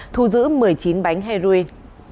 thu giữ một mươi chín bánh heroin